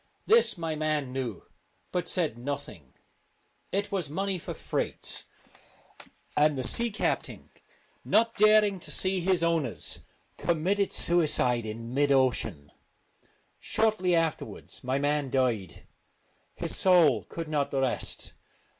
This my man knew, but said nothing. It i57 The was money for freight, and the sea captain, Celtic ,.}.*'.! Twilight, not daring to face his owners, committed suicide in mid ocean. Shortly afterwards my man died. His soul could not rest.